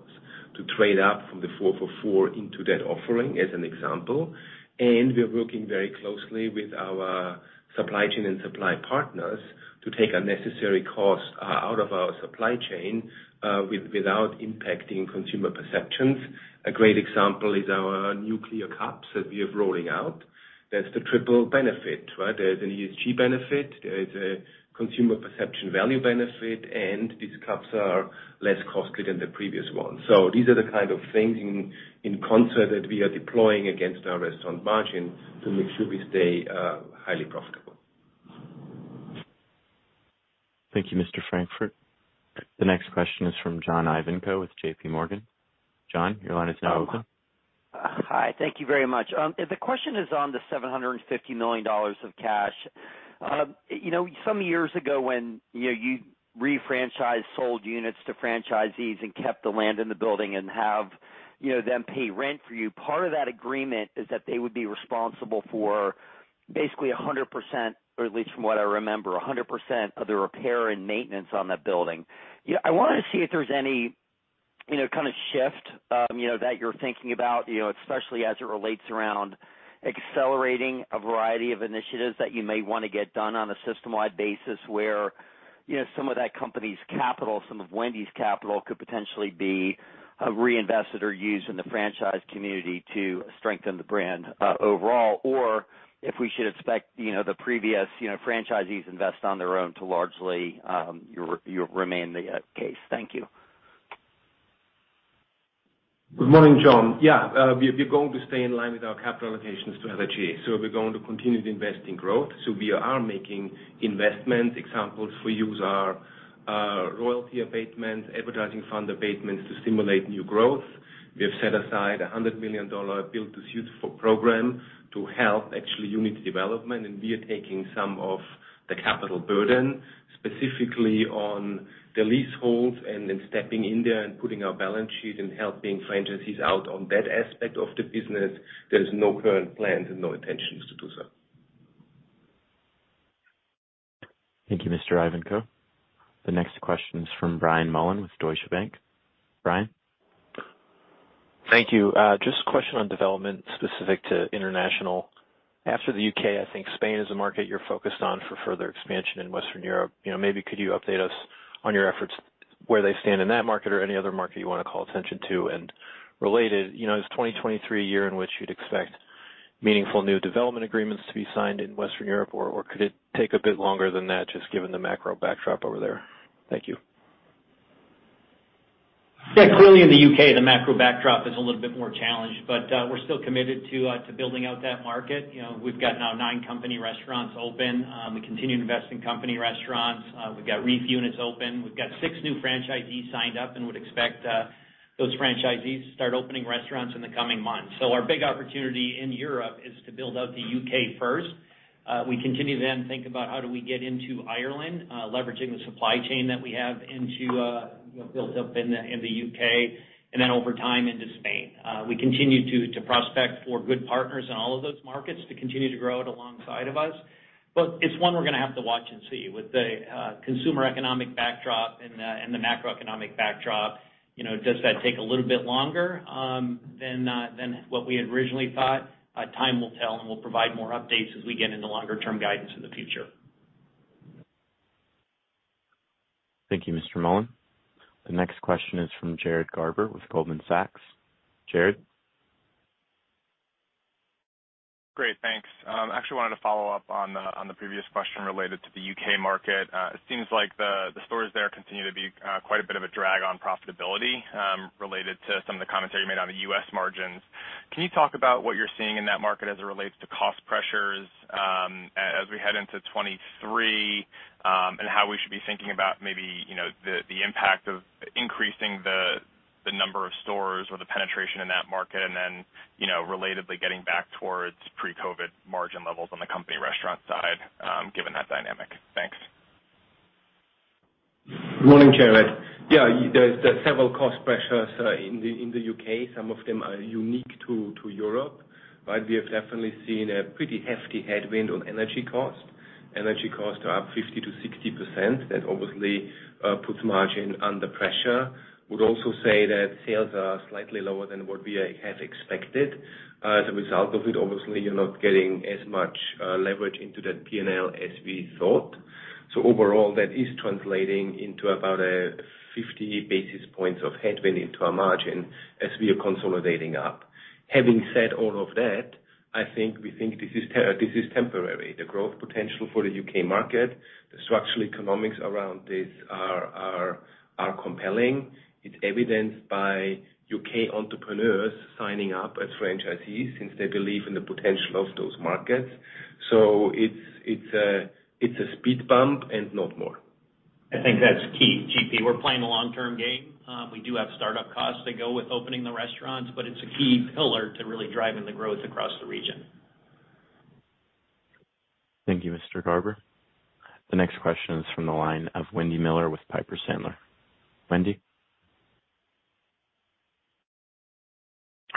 to trade up from the four for four into that offering, as an example. We're working very closely with our supply chain and supply partners to take unnecessary costs out of our supply chain without impacting consumer perceptions. A great example is our clear cups that we are rolling out. That's the triple benefit, right? There's an ESG benefit, there's a consumer perception value benefit, and these cups are less costly than the previous ones. These are the kind of things in concert that we are deploying against our restaurant margins to make sure we stay highly profitable. Thank you, Mr. Francfort. The next question is from John Ivankoe with JPMorgan. John, your line is now open. Hi. Thank you very much. The question is on the $750 million of cash. You know, some years ago when, you know, you refranchised and sold units to franchisees and kept the land and the building and have, you know, them pay rent to you, part of that agreement is that they would be responsible for basically 100%, or at least from what I remember, 100% of the repair and maintenance on that building. You know, I wanna see if there's any, you know, kinda shift, you know, that you're thinking about, you know, especially as it relates around accelerating a variety of initiatives that you may wanna get done on a system-wide basis, where, you know, some of that company's capital, some of Wendy's capital could potentially be reinvested or used in the franchise community to strengthen the brand, overall, or if we should expect, you know, the previous, you know, franchisees invest on their own to largely, your remain the case. Thank you. Good morning, John. Yeah, we're going to stay in line with our capital allocations to LGE. We're going to continue to invest in growth. We are making investments. Examples we use are royalty abatement, advertising fund abatements to stimulate new growth. We have set aside $100 million build to suit program to help actually unit development, and we are taking some of the capital burden, specifically on the leaseholds and then stepping in there and putting our balance sheet and helping franchisees out on that aspect of the business. There's no current plans and no intentions to do so. Thank you, Mr. Ivankoe. The next question is from Brian Mullan with Deutsche Bank. Brian? Thank you. Just a question on development specific to international. After the U.K., I think Spain is a market you're focused on for further expansion in Western Europe. You know, maybe could you update us on your efforts, where they stand in that market or any other market you wanna call attention to? Related, you know, is 2023 a year in which you'd expect meaningful new development agreements to be signed in Western Europe, or could it take a bit longer than that just given the macro backdrop over there? Thank you. Yeah. Clearly in the U.K., the macro backdrop is a little bit more challenged, but we're still committed to building out that market. You know, we've got now nine company restaurants open. We continue to invest in company restaurants. We've got REEF units open. We've got six new franchisees signed up and would expect those franchisees to start opening restaurants in the coming months. Our big opportunity in Europe is to build out the U.K. first. We continue to then think about how do we get into Ireland, leveraging the supply chain that we have built up in the U.K., and then over time into Spain. We continue to prospect for good partners in all of those markets to continue to grow it alongside of us. It's one we're gonna have to watch and see. With the consumer economic backdrop and the macroeconomic backdrop, you know, does that take a little bit longer than what we had originally thought? Time will tell, and we'll provide more updates as we get into longer term guidance in the future. Thank you, Mr. Mullan. The next question is from Jared Garber with Goldman Sachs. Jared? Great. Thanks. I actually wanted to follow up on the previous question related to the U.K. market. It seems like the stores there continue to be quite a bit of a drag on profitability, related to some of the commentary made on the U.S. margins. Can you talk about what you're seeing in that market as it relates to cost pressures, as we head into 2023, and how we should be thinking about maybe, you know, the impact of increasing the number of stores or the penetration in that market, and then, you know, relatedly getting back towards pre-COVID margin levels on the company restaurant side, given that dynamic? Thanks. Morning, Jared. Yeah, there's several cost pressures in the U.K. Some of them are unique to Europe, right? We have definitely seen a pretty hefty headwind on energy cost. Energy costs are up 50%-60%. That obviously puts margin under pressure. Would also say that sales are slightly lower than what we had expected. As a result of it, obviously you're not getting as much leverage into that PNL as we thought. Overall, that is translating into about a 50 basis points of headwind into our margin as we are consolidating up. Having said all of that, I think this is temporary. The growth potential for the U.K. market, the structural economics around this are compelling. It's evidenced by U.K. entrepreneurs signing up as franchisees since they believe in the potential of those markets. It's a speed bump and not more. I think that's key, GP. We're playing a long-term game. We do have start-up costs that go with opening the restaurants, but it's a key pillar to really driving the growth across the region. Thank you, Mr. Garber. The next question is from the line of Nicole Miller Regan with Piper Sandler. Nicole?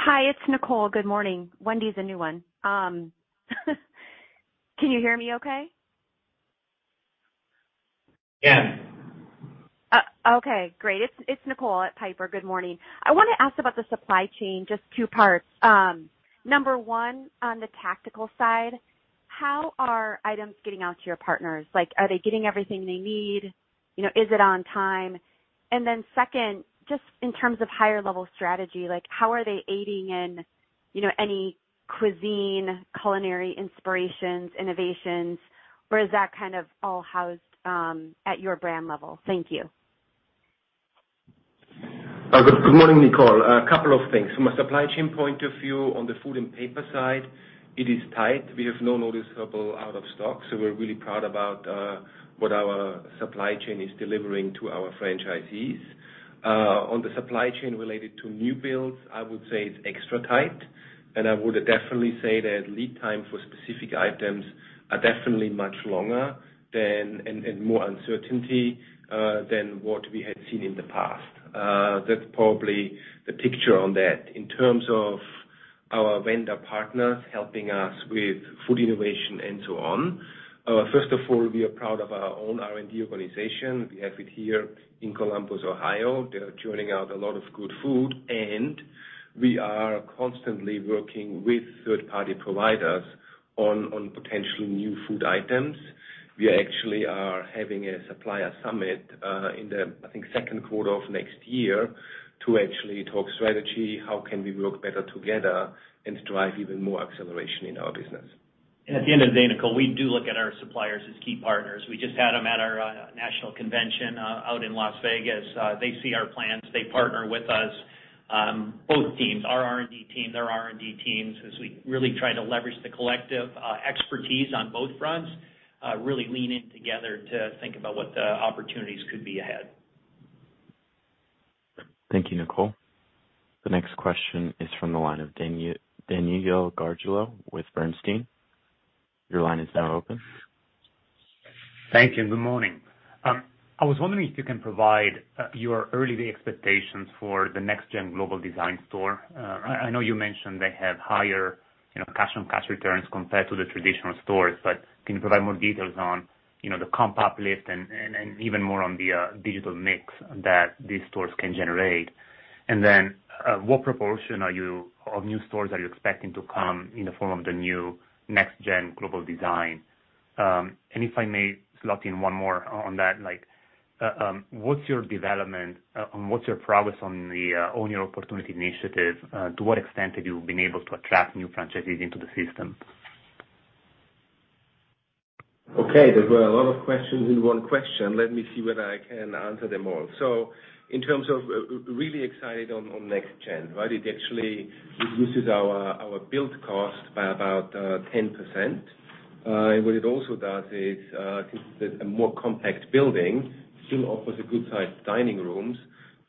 Hi, it's Nicole. Good morning. Wendy's a new one. Can you hear me okay? Yes. Okay. Great. It's Nicole at Piper. Good morning. I wanna ask about the supply chain, just two parts. Number one, on the tactical side, how are items getting out to your partners? Like, are they getting everything they need? You know, is it on time? Second, just in terms of higher level strategy, like, how are they aiding in, you know, any cuisine, culinary inspirations, innovations? Or is that kind of all housed at your brand level? Thank you. Good morning, Nicole. A couple of things. From a supply chain point of view, on the food and paper side, it is tight. We have no noticeable out of stock, so we're really proud about what our supply chain is delivering to our franchisees. On the supply chain related to new builds, I would say it's extra tight. I would definitely say that lead time for specific items are definitely much longer, and more uncertainty, than what we had seen in the past. That's probably the picture on that. In terms of our vendor partners helping us with food innovation and so on, first of all, we are proud of our own R&D organization. We have it here in Columbus, Ohio. They're churning out a lot of good food. We are constantly working with third-party providers on potential new food items. We actually are having a supplier summit in the second quarter of next year to actually talk strategy, how we can work better together and drive even more acceleration in our business. At the end of the day, Nicole, we do look at our suppliers as key partners. We just had them at our national convention out in Las Vegas. They see our plans. They partner with us, both teams, our R&D team, their R&D teams, as we really try to leverage the collective expertise on both fronts, really lean in together to think about what the opportunities could be ahead. Thank you, Nicole. The next question is from the line of Danilo Gargiulo with Bernstein. Your line is now open. Thank you, and good morning. I was wondering if you can provide your early expectations for the Global Next Gen store. I know you mentioned they have higher, you know, cash-on-cash returns compared to the traditional stores, but can you provide more details on, you know, the comp uplift and even more on the digital mix that these stores can generate? What proportion of new stores are you expecting to come in the form of the new Global Next Gen? If I may slot in one more on that, like, what's your progress on the Own Your Opportunity initiative? To what extent have you been able to attract new franchisees into the system? Okay. There were a lot of questions in one question. Let me see whether I can answer them all. In terms of really excited on next gen, right? It actually reduces our build cost by about 10%. What it also does is since it's a more compact building, still offers a good sized dining rooms.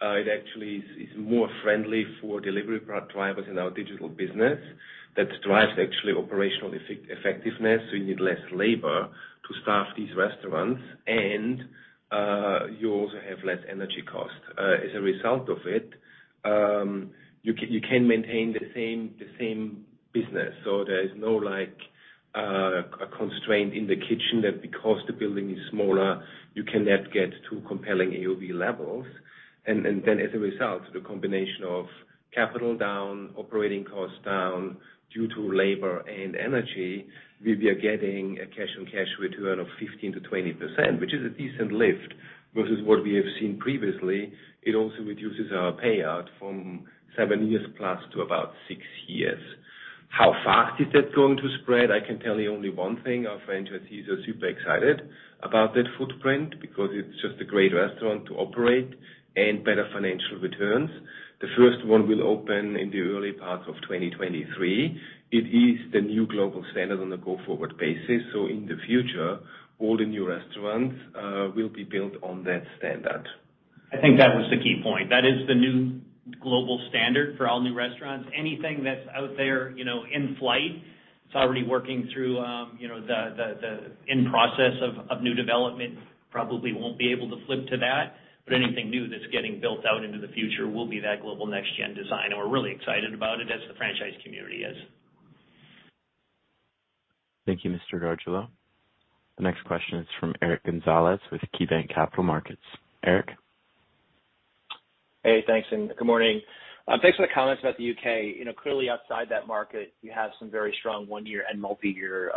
It actually is more friendly for delivery drivers in our digital business. That drives actually operational effectiveness, so you need less labor to staff these restaurants. You also have less energy costs. As a result of it, you can maintain the same business. There is no like a constraint in the kitchen that because the building is smaller, you cannot get two compelling AOV levels. As a result, the combination of capital down, operating costs down due to labor and energy, we are getting a cash-on-cash return of 15%-20%, which is a decent lift versus what we have seen previously. It also reduces our payout from 7 years plus to about 6 years. How fast is that going to spread? I can tell you only one thing. Our franchisees are super excited about that footprint because it's just a great restaurant to operate and better financial returns. The first one will open in the early part of 2023. It is the new global standard on a go-forward basis. In the future, all the new restaurants will be built on that standard. I think that was the key point. That is the new global standard for all new restaurants. Anything that's out there, you know, in flight, it's already working through, you know, the process of new development, probably won't be able to flip to that. Anything new that's getting built out into the future will be that Global Next Gen design, and we're really excited about it as the franchise community is. Thank you, Mr. Gargiulo. The next question is from Eric Gonzalez with KeyBanc Capital Markets. Eric? Hey, thanks, and good morning. Thanks for the comments about the U.K.. You know, clearly outside that market, you have some very strong one-year and multi-year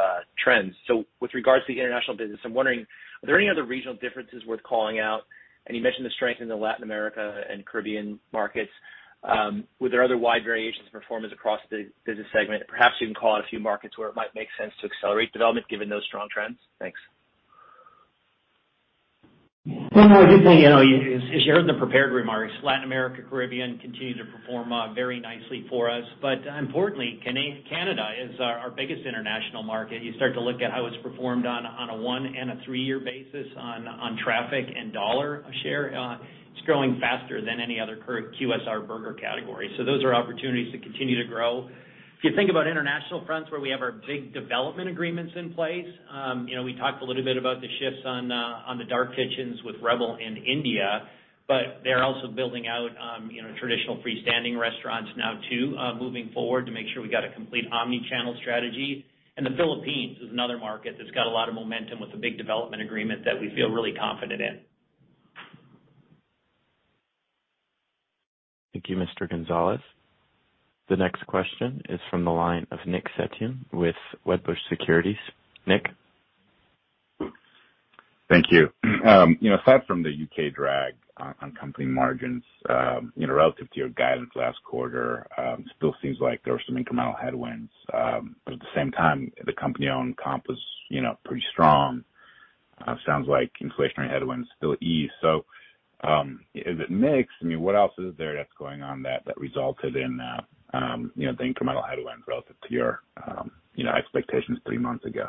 trends. With regards to the international business, I'm wondering, are there any other regional differences worth calling out? You mentioned the strength in the Latin America and Caribbean markets. Were there other wide variations in performance across the business segment? Perhaps you can call out a few markets where it might make sense to accelerate development given those strong trends. Thanks. No, I did say, you know, as you heard in the prepared remarks, Latin America, Caribbean continue to perform very nicely for us. Importantly, Canada is our biggest international market. You start to look at how it's performed on a 1- and 3-year basis on traffic and dollar share, it's growing faster than any other QSR burger category. So those are opportunities to continue to grow. If you think about international fronts where we have our big development agreements in place, you know, we talked a little bit about the shifts on the dark kitchens with Rebel in India, but they're also building out, you know, traditional freestanding restaurants now too, moving forward to make sure we got a complete omni-channel strategy. The Philippines is another market that's got a lot of momentum with a big development agreement that we feel really confident in. Thank you, Mr. Gonzalez. The next question is from the line of Nick Setyan with Wedbush Securities. Nick? Thank you. You know, aside from the U.K. drag on company margins, you know, relative to your guidance last quarter, still seems like there were some incremental headwinds. At the same time, the company-owned comp was, you know, pretty strong. Sounds like inflationary headwinds still ease. Is it mixed? I mean, what else is there that's going on that resulted in, you know, the incremental headwinds relative to your, you know, expectations three months ago?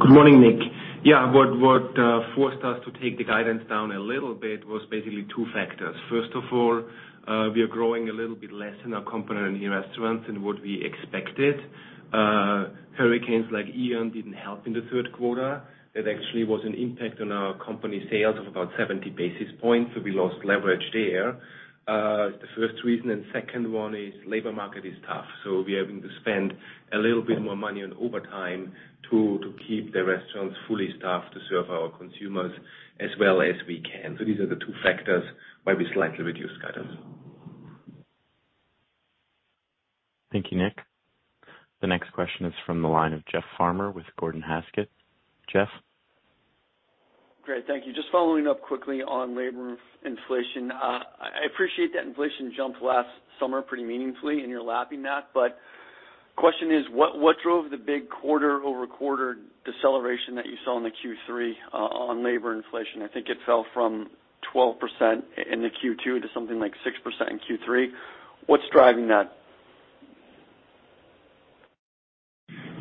Good morning, Nick. Yeah, what forced us to take the guidance down a little bit was basically two factors. First of all, we are growing a little bit less in our company-owned restaurants than what we expected. Hurricane Ian didn't help in the third quarter. That actually was an impact on our company sales of about 70 basis points, so we lost leverage there. The first reason and second one is labor market is tough, so we're having to spend a little bit more money on overtime to keep the restaurants fully staffed to serve our consumers as well as we can. These are the two factors why we slightly reduced guidance. Thank you, Nick. The next question is from the line of Jeff Farmer with Gordon Haskett. Jeff? Great. Thank you. Just following up quickly on labor inflation. I appreciate that inflation jumped last summer pretty meaningfully, and you're lapping that. Question is, what drove the big quarter-over-quarter deceleration that you saw in the Q3 on labor inflation? I think it fell from 12% in the Q2 to something like 6% in Q3. What's driving that?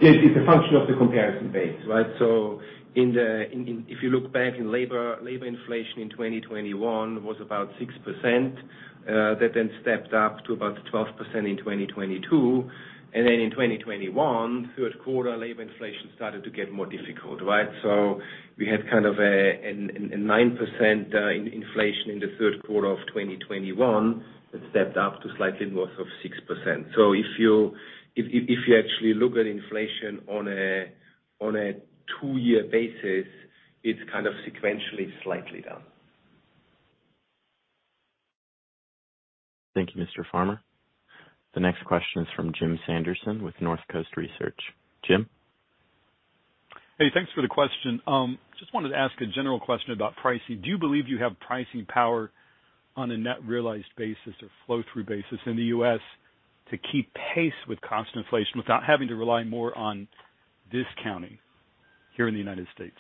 It's a function of the comparison base, right? If you look back in labor inflation in 2021 was about 6%. That then stepped up to about 12% in 2022. In 2021, third quarter labor inflation started to get more difficult, right? We had 9% inflation in the third quarter of 2021. It stepped up to slightly north of 6%. If you actually look at inflation on a two-year basis, it's kind of sequentially slightly down. Thank you, Mr. Farmer. The next question is from James Salera with Northcoast Research. Jim? Hey, thanks for the question. Just wanted to ask a general question about pricing. Do you believe you have pricing power on a net realized basis or flow-through basis in the U.S. to keep pace with constant inflation without having to rely more on discounting here in the United States?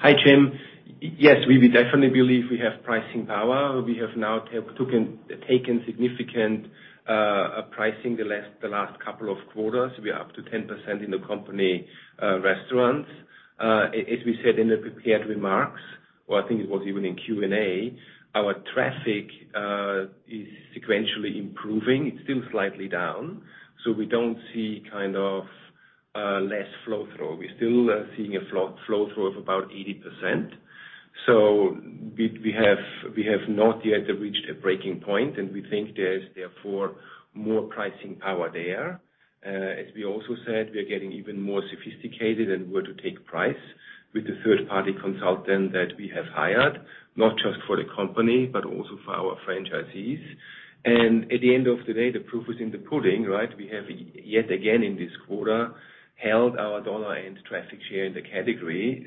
Hi, Jim. Yes, we definitely believe we have pricing power. We have now taken significant pricing in the last couple of quarters. We are up to 10% in the company restaurants. As we said in the prepared remarks, or I think it was even in Q&A, our traffic is sequentially improving. It's still slightly down, so we don't see kind of less flow-through. We're still seeing a flow-through of about 80%. We have not yet reached a breaking point, and we think there is therefore more pricing power there. As we also said, we are getting even more sophisticated and where to take price with the third-party consultant that we have hired, not just for the company, but also for our franchisees. At the end of the day, the proof is in the pudding, right? We have yet again in this quarter held our dollar and traffic share in the category.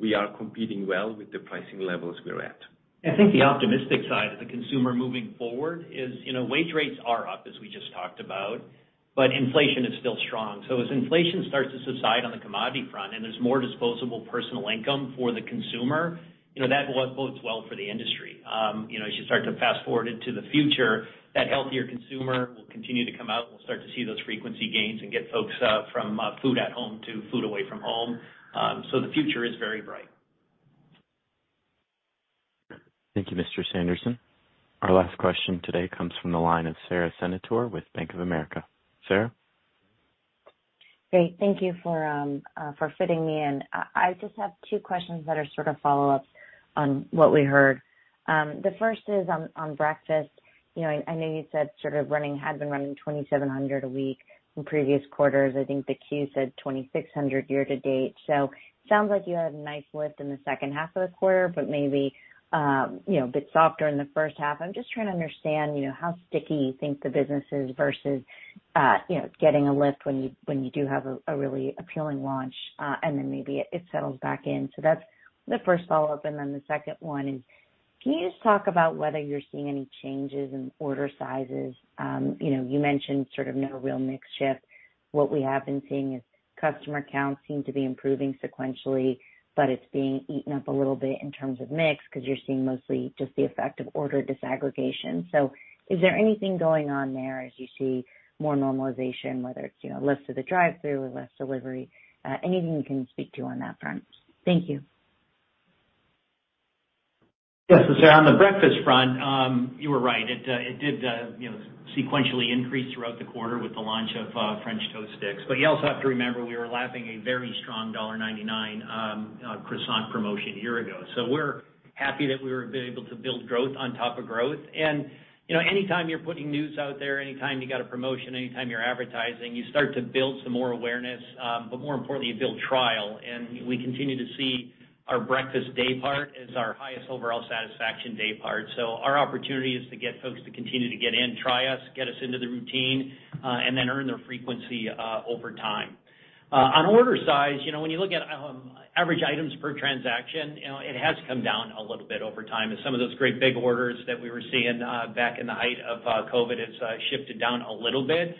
We are competing well with the pricing levels we're at. I think the optimistic side of the consumer moving forward is, you know, wage rates are up, as we just talked about, but inflation is still strong. As inflation starts to subside on the commodity front and there's more disposable personal income for the consumer, you know, that bodes well for the industry. You know, as you start to fast-forward into the future, that healthier consumer will continue to come out. We'll start to see those frequency gains and get folks from food at home to food away from home. The future is very bright. Thank you, Mr. Salera. Our last question today comes from the line of Sara Senatore with Bank of America. Sara? Great. Thank you for fitting me in. I just have two questions that are sort of follow-ups on what we heard. The first is on breakfast. You know, I know you said sort of had been running 2,700 a week in previous quarters. I think the Q said 2,600 year to date. So sounds like you had a nice lift in the second half of the quarter, but maybe you know a bit softer in the first half. I'm just trying to understand, you know, how sticky you think the business is versus you know getting a lift when you when you do have a really appealing launch and then maybe it settles back in. So that's the first follow-up. Then the second one is, can you just talk about whether you're seeing any changes in order sizes? You know, you mentioned sort of no real mix shift. What we have been seeing is customer counts seem to be improving sequentially, but it's being eaten up a little bit in terms of mix because you're seeing mostly just the effect of order disaggregation. Is there anything going on there as you see more normalization, whether it's, you know, lift of the drive-thru or lift delivery? Anything you can speak to on that front? Thank you. Yes. Sara Senatore, on the breakfast front, you were right. It did, you know, sequentially increase throughout the quarter with the launch of French Toast Sticks. You also have to remember, we were lapping a very strong $1.99 croissant promotion a year ago. We're happy that we were able to build growth on top of growth. You know, anytime you're putting news out there, anytime you got a promotion, anytime you're advertising, you start to build some more awareness. More importantly, you build trial. We continue to see our breakfast day part as our highest overall satisfaction day part. Our opportunity is to get folks to continue to get in, try us, get us into the routine, and then earn their frequency over time. On order size, you know, when you look at average items per transaction, you know, it has come down a little bit over time, as some of those great big orders that we were seeing back in the height of COVID has shifted down a little bit.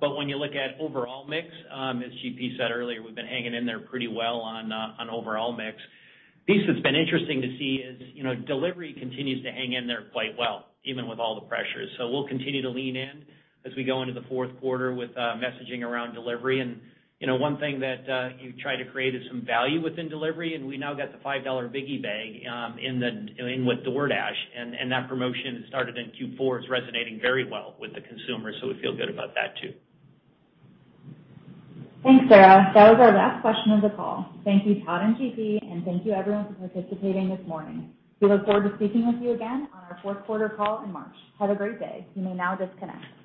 But when you look at overall mix, as GP said earlier, we've been hanging in there pretty well on overall mix. The piece that's been interesting to see is, you know, delivery continues to hang in there quite well, even with all the pressures. We'll continue to lean in as we go into the fourth quarter with messaging around delivery. One thing that you try to create is some value within delivery, and we now got the $5 Biggie Bag in with DoorDash. That promotion started in Q4 is resonating very well with the consumer, so we feel good about that too. Thanks, Sara. That was our last question of the call. Thank you, Todd and GP, and thank you everyone for participating this morning. We look forward to speaking with you again on our fourth quarter call in March. Have a great day. You may now disconnect.